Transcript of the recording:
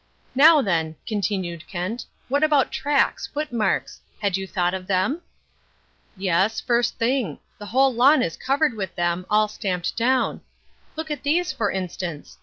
"Now, then," continued Kent, "what about tracks, footmarks? Had you thought of them?" "Yes, first thing. The whole lawn is covered with them, all stamped down. Look at these, for instance.